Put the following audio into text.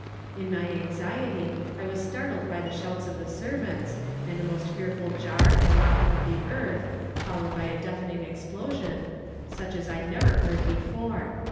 "In my anxiety I was startled by the shouts of the servants, and a most fearful jar and rocking of the earth, followed by a deafening explosion, such as I had never heard before.